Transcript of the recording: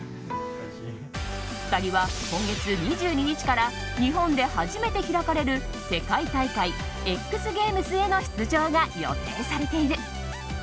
２人は今月２２日から日本で初めて開かれる世界大会、ＸＧａｍｅｓへの出場が予定されている。